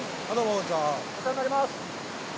お世話になります。